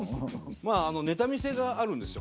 ネタ見せがあるんですよ